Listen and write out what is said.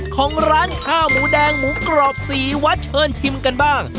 ของร้านข้าวหมูแดงหมูกรอบสีวัดเชิญชิมกันบ้าง